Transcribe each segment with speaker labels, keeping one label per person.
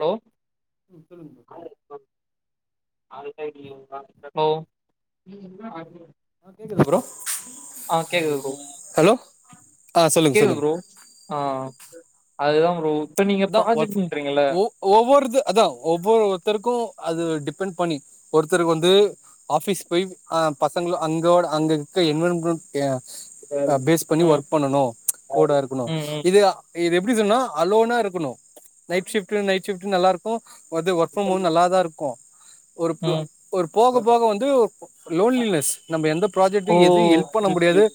Speaker 1: Hello
Speaker 2: ம் சொல்லுங்க bro
Speaker 1: hello
Speaker 2: சொல்லுங்க
Speaker 1: [unintelligible]
Speaker 2: ஆ கேக்குது ப்ரோ
Speaker 1: [unintelligible]
Speaker 2: ஹலோ ஆ சொல்லுங்க
Speaker 1: கேக்குது
Speaker 2: சொல்லுங்க
Speaker 1: ப்ரோ ஆ அதுதாம் ப்ரோ நீங்க
Speaker 2: இந்தா
Speaker 1: ப்ராஜெக்ட்ன்றீங்கல்ல
Speaker 2: [unintelligible] ஒவ்வொருத்து அதா ஒவ்வொருத்தருக்கு அது டிபெண்ட் பண்ணி ஒருத்தருக்கு வந்து ஆஃபிஸ் போய் அ பசங்களு அங்கோட அங்க இக்க [unintelligible] க்யே அ
Speaker 1: ம்
Speaker 2: பேஸ் பண்ணி
Speaker 1: ம்
Speaker 2: ஒர்க் பண்ணணு கோடா இருக்குணு
Speaker 1: ம்
Speaker 2: இதே ஆ இது எப்டி சொன்னா அலோனா இருக்குனு நைட் சிஃப்ட்டு நைட் சிஃப்ட்டு நல்லாருக் கோ வந்து ஒர்க் ஃபிரம் ஓ வந்து நல்லாதா இருக்கு ஒருப்பு
Speaker 1: ம்
Speaker 2: ஒருப் போக போக வந்து லோன்லினஸ் நம்ம எந்த ப்ராஜெக்ட
Speaker 1: ஓ
Speaker 2: எது ஹெல்ப் பண்ண
Speaker 1: புரிது
Speaker 2: முடியாது
Speaker 1: புரிது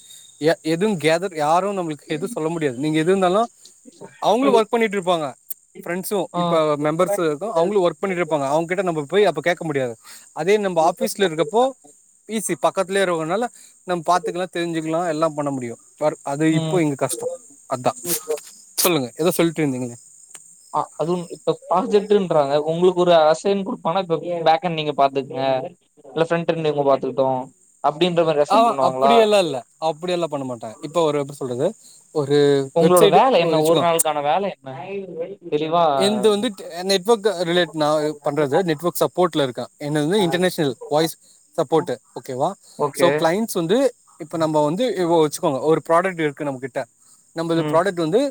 Speaker 2: எ எதுங் கேதர் யாரு நம்ளுக்கு எது சொல்ல முடியாது நீங்க எது இந்தாலு அவுங்ளு ஒர்க் பண்ணிட்ருப் ஃபிரெண்ட்ஸ்சு
Speaker 1: ஆ
Speaker 2: இப்ப மெம்பர்ஸ்சு கு அவுங்ளு ஒர்க் பண்ணிட்ருப்பாங்க அவுங்கிட்ட நம்ம போய் அப்ப கேக்க முடியாது அதே நம்ம ஆஃபீஸ்ல இருக்கப்போ ஈசி பக்கத்லியே இருக்கனால நம்ம பாத்துக்லா தெரிஞ்சுக்லா எல்லாம் பண்ண முடியு வர் அது இப்போ இங்க கஷ்டோ அத்தா
Speaker 1: ம்
Speaker 2: சொல்லுங்க எதோ சொல்ட்ருந்தீங்க இங்க
Speaker 1: ஆ அதுன் இப்ப பாத்துட் ருன்றாங்க உங்குளுக்கு ஒரு அசைன் குடுப்பானா இப்ப பேக்கென் நீங்க பாத்துகங்க இல்ல ஃபிரெண்ட்டர் நேம பாத்துகுட்டு அப்டின்ற மேர் ரெசன் பண்ணுவாங்களா
Speaker 2: அப்டியெல்லா பண்ண மாட்டாங்க இப்ப ஒரு எப்டி சொல்றது ஒரு
Speaker 1: உங்களோட
Speaker 2: வெப்சைடு
Speaker 1: வேல என்ன ஒரு
Speaker 2: வச்சுக்கோங்க
Speaker 1: நாளுக்கான வேல என்ன தெளிவா
Speaker 2: எந்து வந்துட் ட்டே நெட்வொர்க் ரிலேட் நா பண்றது நெட்வொர்க் சப்போர்ட்ல இருக்கே என்னது இன்டர்நேஷ்னல் வாய்ஸ் சப்போட்டு ஓகேவா
Speaker 1: ஓகே
Speaker 2: இன்ஸ் வந்து இப்ப நம்ம வந்து ஓ வச்சுக்கோங்க ஒருப் ப்ராடக்ட் இருக்கு நம்மகிட்ட நம்முது
Speaker 1: ம்
Speaker 2: ப்ராடக்ட் வந்து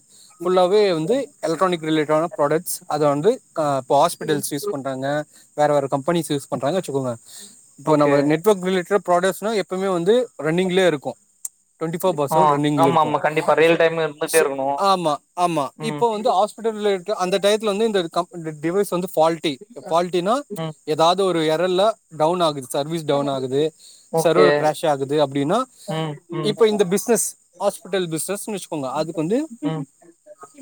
Speaker 2: ஃபுல்லாவே வந்து எலக்ட்ரானிக் ரிலேட்டடான ப்ராடக்ட்ஸ் அத வந்து கா இப்ப ஹாஸ்பிட்டல்ஸ் யூஸ் பண்றாங்க வேற வேற கம்பெனிஸ் யூஸ் பண்றாங்க வச்சுக்கோங்க இப்போ
Speaker 1: ஓகே
Speaker 2: நம்ம நெட் ட்ஒர்க் ரிலேட்டட் ப்ராடக்ட்ஸ்னா எப்பமே வந்து ரன்னிங்லியெ இருக்கு டுவெண்டி ஃபோர் பார்
Speaker 1: ஆ
Speaker 2: செவன் ரன்னிங்ல
Speaker 1: ஆமா
Speaker 2: இருக்கு
Speaker 1: ஆமா கண்டிப்பா ரியல் டைம் இருந்துட்டே இருக்கணு
Speaker 2: ஆமா ஆமா
Speaker 1: ம்
Speaker 2: இப்போ வந்து ஹாஸ்பிட்டல்ல எட்த்த அந்த டயத்துல வந்து இந்த டிவைஸ் வந்து ஃபால்ட்டி ஃபால்ட்டினா
Speaker 1: ம்
Speaker 2: எதாது ஒரு எரல்ல டவுன் ஆகுது சர்வீஸ் டவுன் ஆகுது
Speaker 1: ஓகே
Speaker 2: சர்வர் கிரேஷ் ஆகுது அப்டினா
Speaker 1: ம் ம்
Speaker 2: இப்ப இந்த பிஸ்னஸ் ஹாஸ்பிட்டல் பிஸ்னஸ்னு வெச் கோங்க அதுக்கு வந்து
Speaker 1: ம்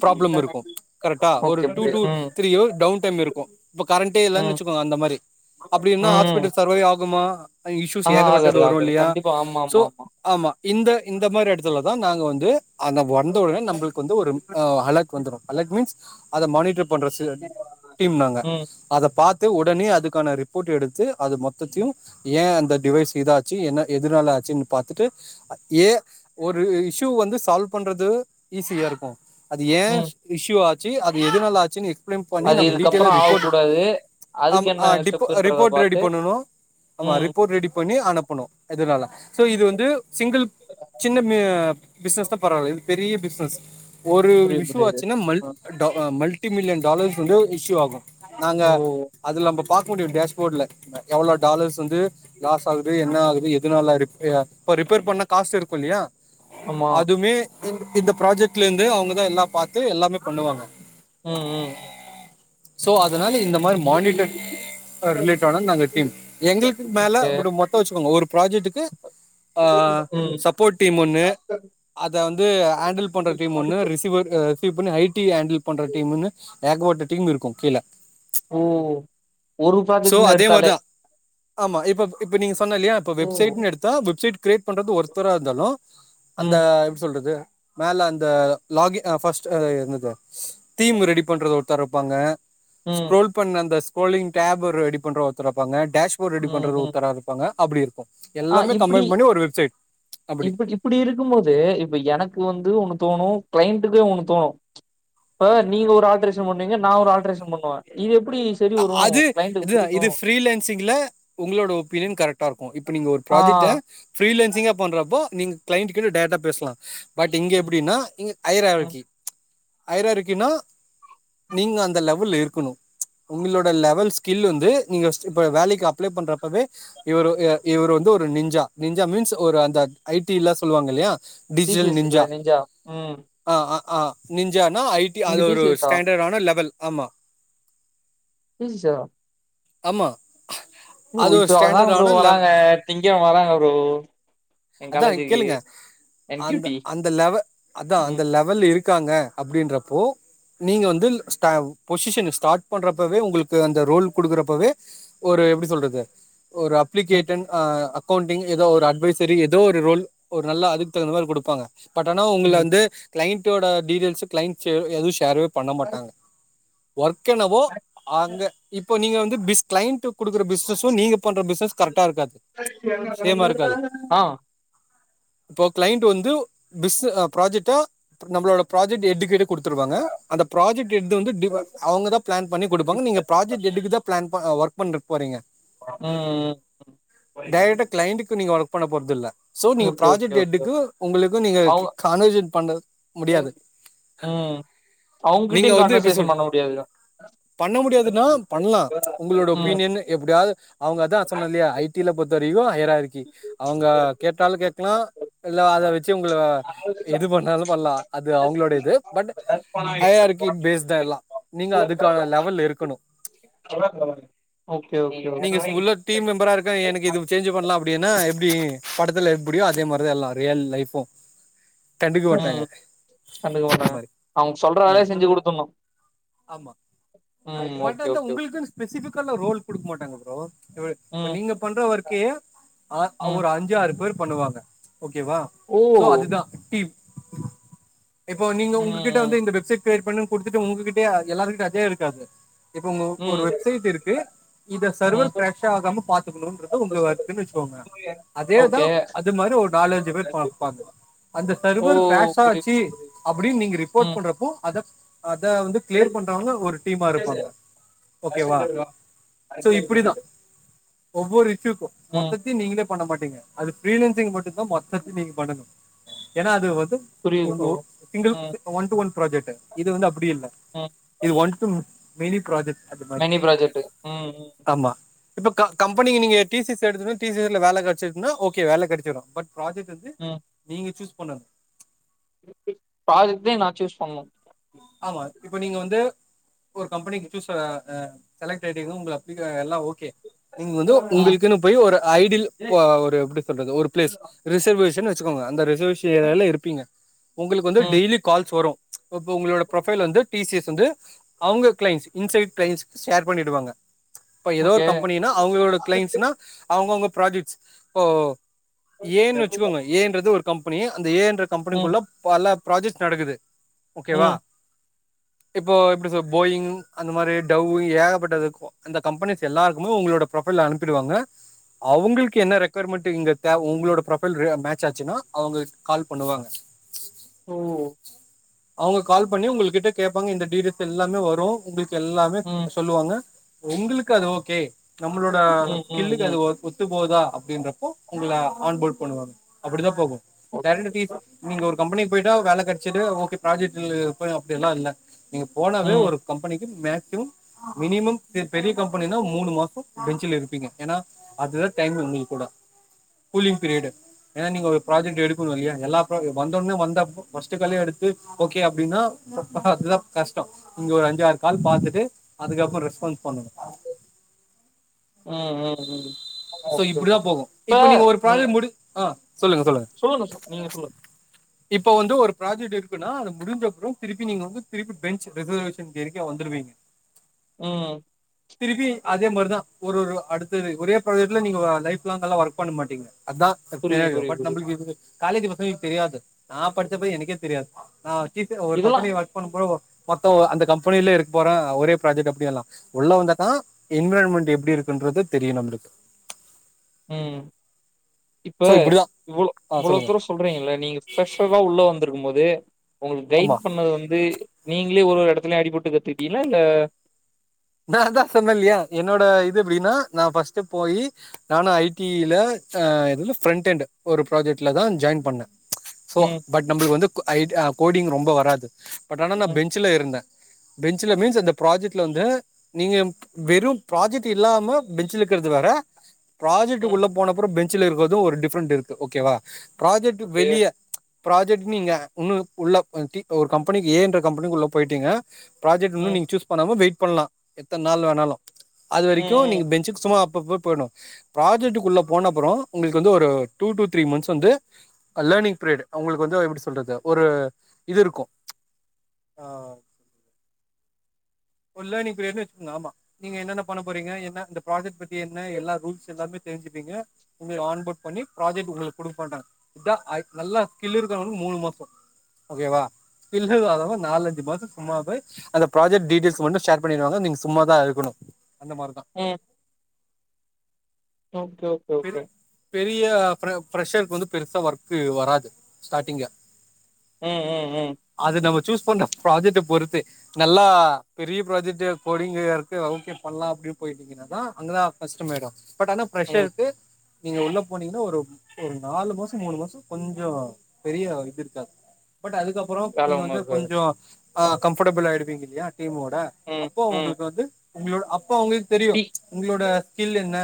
Speaker 2: ப்ராப்ளம் இருக்கு கர்ட்டா ஒரு
Speaker 1: ஓகே
Speaker 2: டூ
Speaker 1: ப்ரோ
Speaker 2: டூ
Speaker 1: ம்
Speaker 2: த்ரீ இயர் டவுன் டைம் இருக்கு இப்ப கரண்டே இல்லன்
Speaker 1: ம்
Speaker 2: வச்சுகோங்க அந்த மாரி அப்டிர்னா
Speaker 1: ம்
Speaker 2: ஹாஸ்பிட்டல் சர்வை ஆகுமா இஸ்யூஸ்
Speaker 1: ஆஹா
Speaker 2: ஏகப்பட்டது
Speaker 1: ஆகாது
Speaker 2: வர் ரு
Speaker 1: ஆகாது
Speaker 2: இல்லியா
Speaker 1: கண்டிப்பா ஆமா
Speaker 2: சோ
Speaker 1: ஆமா
Speaker 2: ஆமா இந்த இந்த மாரி எடத்துலதா நாங்க வந்து அந்த வந்த ஒடனே
Speaker 1: ஆமா
Speaker 2: நம்ள்க்கு வந்து ஒரு அ அலெர்ட் வந்துரு அலெர்ட் மீன்ஸ் அத மானிட்ருப் பண்ற சே டீம் நாங்க
Speaker 1: ம்
Speaker 2: அதப் பாத்து வுடனே அதுக்கான ரிப்போர்ட் எடுத்து அது மொத்தத்யு ஏ அந்த டிவைஸ் இதாச் சி என்ன எதுனால ஆச்சுன் பாத்துட்டு ஏ ஒரு இஷூ வந்து சால்வ் பண்றது ஈஸியாருக்கு அது ஏ
Speaker 1: ம்
Speaker 2: இஷ்யூ ஆச்சி அது எதுனால ஆச்சினு இம்ளிம் பண்ணி
Speaker 1: அது
Speaker 2: நம்ம டீட்டெயிலா
Speaker 1: இதுக்கப்புறோ ஆவக்
Speaker 2: ரிப்போர்ட்டு
Speaker 1: கூடாது அதுக்கு
Speaker 2: ஆம்
Speaker 1: என்ன
Speaker 2: ஆ டிப்போ
Speaker 1: ஸ்டெப்புன்றத
Speaker 2: ரிப்போர்ட்டு
Speaker 1: பாத்து
Speaker 2: ரெடிப் பண்ணனு ஆமா
Speaker 1: ம்
Speaker 2: ரிப்போர்ட் ரெடி பண்ணி அனுப் புனு எதுனால சோ இது வந்து சிங்கிள்ப் சின்ன மி பிஸ்னஸ்தாப் பரவால இது பெரிய பிஸ்னஸ் ஒரு
Speaker 1: புரியுது
Speaker 2: இஸ்சு
Speaker 1: புரியுது
Speaker 2: ஆச்சுனா மல் டவ் அ மல்ட்டி மில்லியன் டாலர்ஸ் வந்து இஷ்யூ ஆகு நாங்க
Speaker 1: ஓ
Speaker 2: அதுலம்பப் பாக் முடியு டேஷ்போட்ல ந எவ்ளோ டாலர்ஸ் வந்து லாஸ் ஆகு து என்னா ஆகுது எதுனால ரிப்ய இப்ப ரிப்பேர் பண்ணா காசு இருக்கு இல்லியா
Speaker 1: ஆமா
Speaker 2: அதுமே இந்து இந்த ப்ராஜெக்ட்ல இந்து அவுங்கதா எல்லா பாத்து எல்லாமே பண்ணுவாங்க.
Speaker 1: ம் ம் ம்.
Speaker 2: சோ அதுனால இந்த மாரி மானிட்டர் அ ரிலேட் ஆன நாங்க டீம் எங்குளுக்கு மேல
Speaker 1: ஓகே
Speaker 2: புடு மொத்த வெச்சுக்கோங் ஒரு ப்ராஜெட்டுக்கு அ அ
Speaker 1: ம்
Speaker 2: சப்போட் டீம் ஒன்னு. அத வந்து ஏண்டில் பண்ற டீம் ஒன்னு ரிசீவர் அ சீவ் பண்ணி ஐ டி ஹேண்டில் பண்ற டீம்ன்னு ஏகப்பட்ட டீம் இருக்கு கீழ.
Speaker 1: ஓ ஒரு ப்ராஜெக்ட்னு எடுத்தாலே
Speaker 2: ஆமா இப்பப் இப்ப நீங்க சொன்ன இல்லியா இப்ப
Speaker 1: ஓ
Speaker 2: வெப்சைட்னு எடுத்தா வெப்சைட் கிரியேட் பண்றது ஒருத்தரா இருந்தாலு அந்த
Speaker 1: ம்
Speaker 2: எப்டி சொல்றது மேல அந்த லாகி அ ஃபஸ்ட் அ என்னது தீம் ரெடி பண்றது ஒருத்தர்ருப்பாங்க.
Speaker 1: ம்
Speaker 2: ஸ்க்ரோல் பண்ண அந்த ஸ்க்ரோலிங் டேப்பர் ரெடி பண்றவ ஒருத்தர் வெப்பாங்க டேஷ்போட் ரெடி
Speaker 1: ம்
Speaker 2: பண்றது ஒ
Speaker 1: ம்
Speaker 2: த்தராருப்பாங்க அப்டி இருக்கு
Speaker 1: ஆ
Speaker 2: எல்லாமே
Speaker 1: இப்டி
Speaker 2: கம்பைன் பண்ணி ஒரு வெப்சைட் அப்பிடி
Speaker 1: இப்டி இப்டி இருக்கும் போது இப்ப எனக்கு வந்து ஒன்னு தோணு கிளைண்ட்டுக்கே ஒன்னு தோணு இப்ப நீங்க ஒரு ஆல்ட்ரேஷன் பண்ணுவீங்க நா ஒரு ஆல்ட்ரேஷன் பண்ணுவே இது எப்டிஸ்
Speaker 2: அ அது இது இது ஃபிரிலேன்சிங்ல உங்ளோட ஒப்பீனியன் கரெக்ட்டாருக்கு இப்ப நீங்க ஒரு
Speaker 1: ஆ
Speaker 2: ப்ராஜெக்ட்ட ஃபிரிலேன்சிங்கா பண்றப்போ நீங்க கிளைண்ட்டுக்குனு டைரக்டா பேசலா. பட் இங்க
Speaker 1: ம்
Speaker 2: எப்டின்னா இங்க ஹையர் ஏவல்
Speaker 1: ம்
Speaker 2: கீ ஹையரார்க்கினா நீங்க அந்த லெவல்ல இருக்குணு. உங்ளோட லெவல் ஸ்கில் வந்து நீங்கஸ்ட் இப்ப வேலைக்கு அப்ளை பண்றப்பவே இவரு எ இவரு வந்து ஒரு நிஞ்சா நிஞ்சா மீன்ஸ் ஒரு அந்தக் ஐ டி ல்லா சொல்லுவாங்க இல்லையா
Speaker 1: T C
Speaker 2: digital
Speaker 1: S
Speaker 2: ninja
Speaker 1: இல்ல நெஞ்சா ம்
Speaker 2: அ அ அ நிஞ்சானா ஐ டி
Speaker 1: நீங்க
Speaker 2: அது ஒரு
Speaker 1: சி எஸ் ஆ
Speaker 2: ஸ்டாண்டடு ஆனா லெவல் ஆமா.
Speaker 1: பீட்ஸா.
Speaker 2: ஆமா.
Speaker 1: ப்ரோ
Speaker 2: அது ஒரு
Speaker 1: இப்ப அதா ப்ரோ
Speaker 2: ஸ்டாண்டர்டான லெவ
Speaker 1: வராங்க திங்கெழம வராங்க ப்ரோ. எ
Speaker 2: அத்தா
Speaker 1: காலேஜுக்கு
Speaker 2: கேளுங்க
Speaker 1: என் கியூ
Speaker 2: அந்த
Speaker 1: டி
Speaker 2: அந்த லெவ அத்தா அந்த
Speaker 1: ம்
Speaker 2: லெவ் வெல்ல இருக்காங்க அப்டின்றப்போ நீங்க வந்து ல் ஸ்டவ் பொசிஷன ஸ்டாட் பண்றப்பவே உங்குளுக்கு அந்த ரோல் குடுக்குறப்பவே ஒரு எப்டி சொல்றது ஒரு அப்
Speaker 1: ம்
Speaker 2: ப்ளிகேட்டன் அ அக்கெளண்டிங் எதோ ஒரு அட்வைசரி எதோ ஒரு ரோல் ஒரு நல்லா அதுக்கு தகுந்த மாரி குடுப்பாங்க. பட் ஆனா உங்கள
Speaker 1: ம்
Speaker 2: வந்து கிளைண்ட்டோட டீடெய்ல்ஸ் கிளைண்ட் ஃபே எதுவு ஷேர்வே பண்ண மாட்டாங்க ஒர்க் என்னவோ அங்க இப்ப நீங்க வந்து பிஸ் கிளைண்ட்டு குடுக்கற பிசினஸு நீங்க பண்ற பிசினஸ் கரெக்ட்டா இருக்காது சேமா இருக்காது.
Speaker 1: ஆ.
Speaker 2: இப்போ கிளைண்ட்டு வந்து பிஸ்ஸு அ ப்ராஜெட்ட ப்ர் நம்ப்ளோட ப்ராஜெட் எட் கிட்ட குடுத்துருவாங்க அந்த ப்ராஜெக்ட் எட்த வந்து டிவ அவுங்க தா பிளான் பண்ணி குடுப்பாங்க நீங்க ப்ராஜெட் எட்டுக்கு தா பிளான் ப அ ஒர்க் பண்றக் போறீங்க.
Speaker 1: ம் ம்
Speaker 2: டைரக்ட்டா கிளைண்ட்டுக்கு நீங்க ஒர்க் பண்ண போற்தில்ல. சோ நீங்க
Speaker 1: ஓகே ஓகே
Speaker 2: ப்ராஜெட்
Speaker 1: ஓகே
Speaker 2: எட்டுக்கு உங்குளுக்கு நீங்க க்
Speaker 1: அவங்க
Speaker 2: கானுவஷேட் பண்றக் முடியாது.
Speaker 1: ம்
Speaker 2: நீங்க
Speaker 1: அவுங்கிட்டியு
Speaker 2: வந்து எப்படி சொல்றது
Speaker 1: கான்வர்சேஷன் பண்ண முடியாதுடா.
Speaker 2: பண்ண முடியாதுன்னா பண்லா உங்களோட
Speaker 1: ம்
Speaker 2: ஒப்பீன்யன்னு எப்டியாவ்து அவுங்க அதா சொன்னல்லியா ஐ டி ல பொறுத்த வரைக்கு அயரா இருக்கி அவங்க கேட்டாலு கேக்கலா இல்ல அத வெச்சி உங்கள எது பண்ணாலு பண்லா அது அவங்களோட இது பட்டு ஐ ஆறக்கி பேஸ் தா எல்லா நீங்க அதுக்கான லெவல் இருக்கணு
Speaker 1: சொல்லுங் ப்ரோ நீங்க எத்தன மணிக்கி
Speaker 2: ப டீம் மெம்பரா இருக்கே எனக் இது சேஞ்சு பண்லா அப்டின்னா எப் டி படத்துல எப்பிடியோ அதே மாரிதா எல்லா ரியல் லைஃபு
Speaker 1: ம் கண்டுக்க
Speaker 2: அந்த
Speaker 1: மாட்டாங்க
Speaker 2: மாதிரி
Speaker 1: அவுங் சொல்ற வேலைய
Speaker 2: ம்
Speaker 1: செஞ்சு குடுத்தர்ணு
Speaker 2: ஆமா ப பட்
Speaker 1: ஓகே
Speaker 2: அந்த
Speaker 1: ஓகே ஓகே
Speaker 2: உங்களுக்குன் ஸ்பெசிஃபிக்காலா ரோல் குடுக் மாட்டாங்க ப்ரோ இவுரு இப்ப
Speaker 1: ம்
Speaker 2: நீங்க பண்ற ஒர்க் கே அ
Speaker 1: ம்
Speaker 2: அவுரா அஞ்சு ஆறு பேர் பண்ணுவாங்க ஓகேவா
Speaker 1: ஓ
Speaker 2: சோ அதுதா டீம் இப்போ நீங்க உங்ககிட்ட
Speaker 1: ம் ம்
Speaker 2: வந்து இந்த வெப்சைட் க்ரியேட் பண்ணு குடுத்துட்டு உங்ககிட்டயே எல்லாருகிட்ட அதே இருக்காது இப்ப உங்கு ஒரு
Speaker 1: ம்
Speaker 2: வெப்சைட் இருக்கு இத சருவர்
Speaker 1: ம்
Speaker 2: க்ரெஷ் ஆகாம பாத்துக்கணுன்றது உங்க ஒர்க்குன் வெச்சுக்கோங்க அதேதா
Speaker 1: ஓகே
Speaker 2: அது மாரி ஒரு நாலஞ்சு பேர் பாப்பாங் அந்த
Speaker 1: ஓ
Speaker 2: சருவர் க்ராஷ்
Speaker 1: புரியுது
Speaker 2: ஆச்சு
Speaker 1: புரியுது புரியுது
Speaker 2: அப்டின் நீங்க ரிப்போர்ட்
Speaker 1: ம்
Speaker 2: பண்றப்போ அத அத வந்து க்ளியர் பண்றவங்க ஒரு டீமா இருப்பாங்க ஓகேவா சோ இப்பிடிதா ஒவ்வொரு இஷ்யூக்கு
Speaker 1: ம்
Speaker 2: மொத்தத்தி நீங்களே பண்ண மாட்டீங்க அது ஃப்ரீலன்சிங் மட்டுந்தா மொத்தத்தி நீங்க பண்ணனு ஏனா அது வந்து
Speaker 1: புரியுது
Speaker 2: ஒன்
Speaker 1: ப்ரோ
Speaker 2: ஓ சிங்கிள்
Speaker 1: ம்
Speaker 2: say one two one project இது வந்து அப்பிடி இல்ல
Speaker 1: ம்
Speaker 2: இது ஒன் டூ மெனி ப்ராஜெக்ட் அது மாதிரி
Speaker 1: மெனி ப்ராஜெக்ட்டு ம் ம்
Speaker 2: ஆமா இப்ப க கம்பெனிக்கு நீங்க டி சி எஸ் எடுத்துட்டு வந் டி சி எஸ் ல வேல கெட்ச்சிர்க்னா ஓகே வேல கெடச்சிரு பட் ப்ராஜெக்ட் வந்து
Speaker 1: ம்
Speaker 2: நீங்க சூஸ் பண்ணனு
Speaker 1: ப்ராஜெக்ட்டே நா சூஸ் பண்ணு
Speaker 2: ஆமா இப்ப நீங்க வந்து ஒரு கம்பெனிக்கு சூஸ்ஸரா அ செலக்ட் ஆய்ட்டீங்னா உங்கள அப்ளிகே எல்லா ஓ கே நீங்க வந்து
Speaker 1: ம்
Speaker 2: உங்குள்க்குன்னு போய் ஒரு ஐடில் போ ஒரு எப்டி சொல்றது ஒரு பிளேஸ் ரிசர்வேஷன் வெச்சுக்கோங்க அந்த ரிசர்வேஷ ஏரியால இருப்பீங்க உங்களுக் வந்து
Speaker 1: ம்
Speaker 2: டெய்லி கால்ஸ் வரு இப்ப உங்ளோட ப்ரொஃபைல் வந்து டி சி எஸ் வந்து அவங்க கிளைன்ஸ் இன்சைட் கிளைன்ஸ்க்கு ஷேர் பண்ணிடுவாங்க இப்ப எதோ ஒரு
Speaker 1: ஓகே
Speaker 2: கம்பெனினா அவுங்களோட கிளைண்ட்ஸ்ன்னா அவுங்கவுங்க ப்ராஜெக்ட்ஸ் போ ஏ ன்னு வச்சுக்கோங்க ஏ ன்றது ஒரு கம்பெனி அந்த ஏ ன்ற
Speaker 1: ம்
Speaker 2: கம்பெனிக்குள்ள பல ப்ராஜெக்ட்ஸ் நடக்குது ஓகேவா
Speaker 1: ம்
Speaker 2: இப்போ எப்டி சொ போயிங் அந்த மாரி டவ்வு ஏகப்பட்டது அந்த கம்பெனிஸ் எல்லார்க்குமே உங்ளோட ப்ரொஃபைல அனுப்பிடுவாங்க அவுங்கள்க்கு என்ன ரெக்கொயர்மெண்ட்டு இங்க தேவ உங்ளோட ப்ரொஃபைல் ரே மேட்ச் ஆச்சுன்னா அவுங்க கால் பண்ணுவாங்க
Speaker 1: ஓ
Speaker 2: அவங்க கால் பண்ணி உங்கள் கிட்ட கேப்பாங்க இந்த டீடெய்ல்ஸ் எல்லாமே வரு உங்கள்க் எல்லாமே
Speaker 1: ம்
Speaker 2: அ சொல்லுவாங்க உங்குளுக்கு அது ஓகே நம்மளோட
Speaker 1: ம் ம்
Speaker 2: ஸ்கில்லுக்கு அது
Speaker 1: ம்
Speaker 2: ஓ ஒத் து போதா அப்டின்றப்போ உங்கள ஆன்போல் பண்ணுவாங்க அப்பிடி தா போகு
Speaker 1: ஓகே
Speaker 2: டேலண்டடீஸ் நீங்க ஒரு கம்பெனிக்கு போயிட்டா வேல கிடிச்சிட்டு ஓகே ப்ராஜெக்ட் இரு அப்டி எல்லா இல்ல நீங்க போனாவே
Speaker 1: ம்
Speaker 2: ஒரு கம்பெனிக்கு மேக்சிமம் மினிமம் பெரிய கம்பெனினா மூணு மாச பெஞ்சல இருப்பீங்க ஏன்னா அதுதா டைம் உங்களுக்கு கூட கூலிங் பீரியடு ஏன்னா நீங்க ஒரு ப்ராஜட் எடுக்கணு இல்லயா எல்லா ப்ரோ வந்தடனே வந்தப்ப ஃபர்ஸ்ட் காலே வாங்க எடு ஓகே அப்டின்னா ஆப் அதுதா கஷ்ட இங்க ஒரு அஞ்சு ஆறு கால் பாத்துட்டு அதுக்கப்பற ரெஸ்பான்ஸ் பண்ணனு
Speaker 1: ம் ம் ம்
Speaker 2: சோ
Speaker 1: ஓகே
Speaker 2: இப்படிதா
Speaker 1: ஓகே.
Speaker 2: போகு இப்ப நீங்க ஒரு ப்ராஜெட் ஆ சொல்லுங்க சொல்லுங்க
Speaker 1: சொல்லுங்க சார் நீங்க சொல்லுங்க
Speaker 2: இப்ப வந்து ஒரு ப்ராஜெக்ட் இருக்குன்னா அத முடிஞ்ச அப்பற திருப்பி நீங்க வந்து திருப்பி பெஞ்ச் ரிசர்வேஷன் தியரிக்கே வந்துடுவீங்க
Speaker 1: ம்
Speaker 2: திருப்பி அதே மாரிதா ஒரு ஒரு அடுத்த ஒரே [unintelligible] நீங்க லைப் லாங் ஒர்க் பண்ண மாட்டீங்க அதா
Speaker 1: புரியுது புரியுது
Speaker 2: பட்
Speaker 1: புரியுது
Speaker 2: நம்ளுக்கு காலேஜ் படிச்சப்பா எனக்கு தெரியாது நா படிச்சப எனக்கே தெரியாது நா [unintelligible] ஒரு
Speaker 1: இதெல்லா
Speaker 2: கம்பெனி வாழ்க் ப்ரோ மொத்தம் அந்த கம்பெனில இருக்க போற ஒரே ப்ராஜெக்ட் அப்டிய எல்லா உள்ள வந்தாதா என்விரான்மெண்ட் எப்டி இருக்குன்றது தெரியும் நம்மளுக்கு
Speaker 1: உம் இப்ப
Speaker 2: ஸோ இப்படிதான்
Speaker 1: இவ்ளோ
Speaker 2: ஆ
Speaker 1: இவ்ளோ
Speaker 2: சொல்லுங்க
Speaker 1: துருசு சொல்றீங்க நீங்க ப்ரஷர் தா உள்ள வந்திருக்கும் போது உங்களுக்கு கைட்
Speaker 2: ஆமா
Speaker 1: பண்ணது வந்து நீங்களே ஒரு ஒரு இடத்துலயு அடிபட்டுக்கிட்டீங்களா இல்ல
Speaker 2: நா தா சொன்ன இல்லயா என்னோட இது எப்படின்னா நா ஃபர்ஸ்ட் போய் நானு ஐ டில அ இது பிரண்ட்ண்ட் ஒரு ப்ராஜெக்ட்ல தா ஜாயின் பண்ண சோ
Speaker 1: ம்
Speaker 2: பட் நம்மளுக்கு வந்து ஐ கோடிங் ரொம்ப வராது பட் ஆனா நான்
Speaker 1: ம்
Speaker 2: பென்ச்சுல இருந்த பெஞ்சுல மீன்ஸ் அந்த ப்ராஜெக்ட்ல வந்து நீங்க வெறும் ப்ராஜெக்ட் இல்லாம பெஞ்சல இருக்கிறது வேற ப்ராஜெக்ட்
Speaker 1: ம்
Speaker 2: உள்ள போனப்பர பெஞ்சல இருக்கதும் ஒரு டிஃப்ரன்ட் இருக்குது ஓகேவ ப்ராஜெக்ட்
Speaker 1: ஓகே
Speaker 2: வெளிய ப்ராஜெக்ட் நீங்க இன்னு உள்ள ஒரு கம்பெனிக்கு ஏன்ற கம்பெனிக்கு உள்ள போயிட்டீங்க ப்ராஜெக்ட்ன்னும்
Speaker 1: ம்
Speaker 2: நீங்க சூஸ் பண்ணாம வெயிட் பண்ணலா எத்தன நாள் வேணாலு அது
Speaker 1: ம்
Speaker 2: வரைக்கும்
Speaker 1: ம்
Speaker 2: நீங்க பெஞ்சுக்கு சும்மா [unintelligible] ப்ராஜெக்டக்குள்ள போன அப்பற உங்களுக்கு வந்து ஒரு டூ டு த்ரீ மந்த்ஸ் வந்து லர்னிங் பீரியட் உங்களுக்கு வந்து எப்டி சொல்றது ஒரு இது இருக்கும் அஹ ஒரு லேர்னிங் பிரியட் வச்சுக்கங்க ஆமா நீங்க என்னென்ன பண்ண போறீங்க என்ன இந்த ப்ராஜெக்ட் பத்தி என்ன எல்லா ரூல்ஸ் எல்லாமே தெரிஞ்சுப்பீங்க உங்க ஆன்போ்ட் பண்ணி ப்ராஜெக்ட் உங்களுக்கு கொடுக்க மாட்டாங்க இத நல்லா ஸ்கில் இருக்கவங்களுக்கு மூணு மாச ஓகேவா ஸ்க்கில்லு இல்லாதவங்க நாலஞ்சு மாச சும்மாவே அந்த ப்ராஜெக்ட் டிட்டியல்ஸ் வந்து ஷேர் பண்ணிருவாங்க நீங்க சும்மாதா இருக்கணு அந்த மாறி தா
Speaker 1: ம் ஓகே ஓகே
Speaker 2: பெரு
Speaker 1: ஓகே
Speaker 2: பெரிய ஃபிரஷருக்கு வந்து பெருசா ஒர்க் வராது ஸ்டாடிங்
Speaker 1: ம் ம் ம்
Speaker 2: அது நம்ம சூஸ் பண்ற ப்ராஜெக்ட பொறுத்து நல்லா பெரிய ப்ராஜெக்ட் கோடிங்கா இருக்கு ஓகே பண்ணலா அப்டினு போயிட்ருக்கு தா அங்கதா ஃபஸ்ட் மேடோ பட் ஆனா ஃபிரஷர்
Speaker 1: ம்
Speaker 2: நீங்க உள்ள போன்னிகண்ணா ஒரு ஒரு நாலு மாச மூணு மாச கொஞ்ச பெரிய இது இருக்காது பட் அதுக்குப்ப பறோ
Speaker 1: வேல
Speaker 2: நீங்க
Speaker 1: ஒண்ணு
Speaker 2: வந்து
Speaker 1: இருக்காது
Speaker 2: கொஞ்சொ ஆஹ கம்ஃபர்டபிள் ஆயிடுவீங்க இல்லயா டீமோட
Speaker 1: ம்
Speaker 2: அப்போ
Speaker 1: ம்
Speaker 2: ஓங்ளுக்கு அப்ப வந்து உங்களோட அப்ப அவுங்ளுக்கு தெரியு
Speaker 1: டீ
Speaker 2: உங்களோட ஸ்கில் என்ன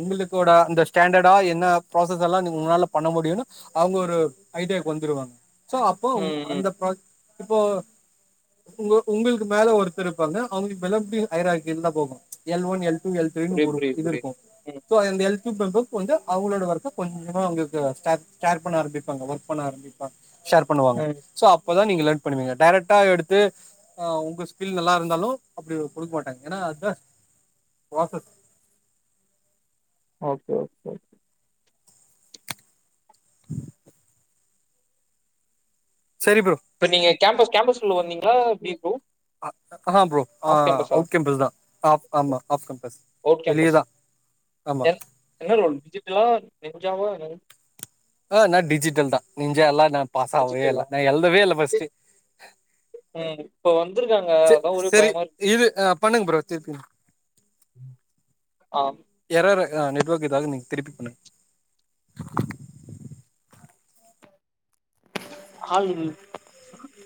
Speaker 2: உங்களுக [unintelligible] இந்த ஸ்டாண்டர்டா என்ன புராசஸ் எல்லா நீ உங்களால பண்ண முடியுனு அவங்க ஒரு ஐடியாக்கு வந்துருவாங்க சோ அப்போ உங்
Speaker 1: ம் ம்
Speaker 2: அந்த [unintelligible] இப்போ உங்க உங்களுக்கு மேல ஒருத்தர் இருப்பாங்க அவங்க [unintelligible] தா போகு L one L two L த்ரீனு
Speaker 1: புரியுது
Speaker 2: ஒரு
Speaker 1: புரியுது
Speaker 2: இது
Speaker 1: புரியுது
Speaker 2: இருக்கும்
Speaker 1: ம்
Speaker 2: சோ இந்த எல் டூ மெம்பர் வந்து அவங்களோட ஒர்க்க கொஞ்சமா அங்க இருக்க ஸ்டாப் ஷேர் பண்ண ஆரம்பிப்பாங்க ஒர்க் பண்ண ஆரம்பிப்பாங்க ஷேர் பண்ணுவாங்க
Speaker 1: ம்
Speaker 2: சோ அப் அப்பதா நீங்க லேர்ன் பண்ணுவீங்க டெரெக்டா எடுத்து ஆ உங்க ஸ்கில் நல்லா இருந்தாலு அப்டி குடுக்க மாட்டாங்க ஏன்னா அத்தா புராசஸ்
Speaker 1: ஓகே ஓகே
Speaker 2: செரி ப்ரோ
Speaker 1: இப்ப நீங்க கேம்பஸ் கேம்பஸ்குள்ள வந்தீங்ளா எப்டி ப்ரோ
Speaker 2: ஆஹா ப்ரோ ஆ
Speaker 1: ஆஃப் கேம்பஸா
Speaker 2: அவுட் கேம்பஸ் தா ஆஃப் ஆமா ஆஃப் கேம்பஸ்
Speaker 1: அவுட் கேம்பஸ்
Speaker 2: வெளியதா ஆமா
Speaker 1: என் என்ன ரோல் டிஜிட்டலா நின்ஜாவா என்னது
Speaker 2: ஆ நா டிஜிட்டல் தா நின்ஜாலா நா பாஸ் ஆகவே இல்ல
Speaker 1: டிஜிட்டலா
Speaker 2: நா எழுதவே இல்ல ஃபஸ்ட்டு
Speaker 1: ம் இப்ப வந்திருக்காங்க
Speaker 2: சே
Speaker 1: அதா ஒரே
Speaker 2: செரி
Speaker 1: பயமா இருக்கு
Speaker 2: இது ஆ பண்ணுங்க ப்ரோ திருப்பி
Speaker 1: ஆ
Speaker 2: எரர் ஆ நெட்வொர்க் இதாகு நீங்க திருப்பி பண்ணுங்க
Speaker 1: ஆள் இல்ல